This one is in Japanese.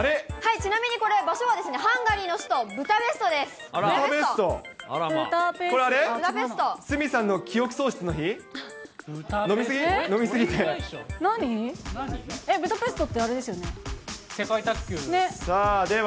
ちなみにこれ、場所はハンガリーの首都ブダペストです。